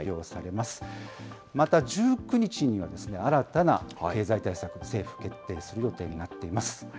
また１９日には、新たな経済対策、政府決定する予定になっています。